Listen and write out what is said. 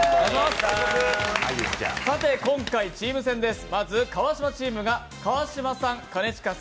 今回、チーム戦です。